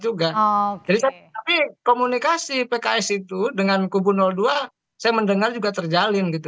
juga jadi tapi komunikasi pks itu dengan kubu dua saya mendengar juga terjalin gitu